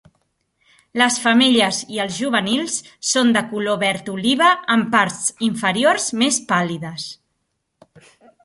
Les femelles i els juvenils són de color verd oliva amb parts inferiors més pàl·lides.